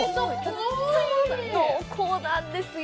濃厚なんですよ。